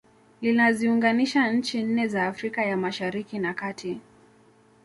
Linaziunganisha nchi nne za Afrika ya Mashariki na Kati